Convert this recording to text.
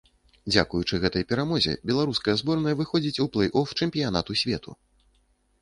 Дзякуючы гэтай перамозе беларуская зборная выходзіць у плэй-оф чэмпіянату свету.